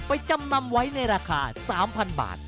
จำนำไว้ในราคา๓๐๐๐บาท